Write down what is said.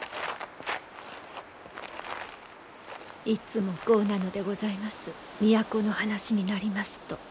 いつもこうなのでございます都の話になりますと。